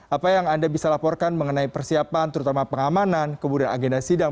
apa yang anda bisa laporkan mengenai persiapan terutama pengamanan kemudian agenda sidang